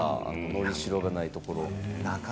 のりしろがないところ。